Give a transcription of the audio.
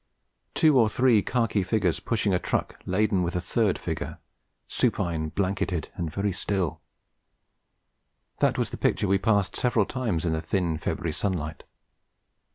Two or three khaki figures pushing a truck laden with a third figure supine, blanketed, and very still: that was the picture we passed several times in the thin February sunlight.